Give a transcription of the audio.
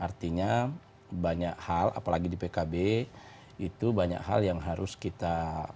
artinya banyak hal apalagi di pkb itu banyak hal yang harus kita